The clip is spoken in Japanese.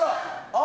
あ！